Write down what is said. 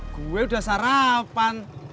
gue udah sarapan